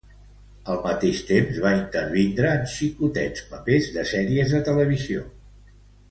Al mateix temps, va intervindre en xicotets papers de sèries de televisió.